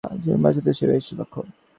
বলতে চাচ্ছি, জীবন বাঁচানোতে সে বেশ দক্ষ।